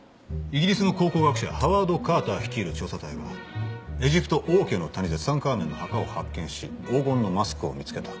イギリスの考古学者ハワード・カーター率いる調査隊はエジプト王家の谷でツタンカーメンの墓を発見し黄金のマスクを見つけた。